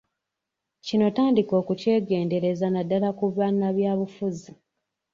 Kino tandika okukyegendereza naddala ku bannabyabufuzi.